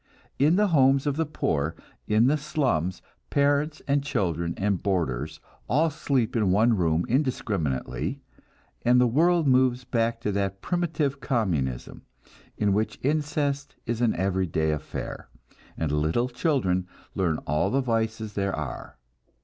In the homes of the poor in the slums, parents and children and boarders all sleep in one room indiscriminately, and the world moves back to that primitive communism, in which incest is an everyday affair, and little children learn all the vices there are.